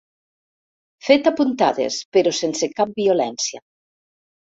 Fet a puntades, però sense cap violència.